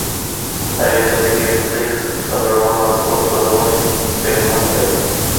آیا د جرګې د پریکړې نه سرغړونه د کور سوځول جریمه نلري؟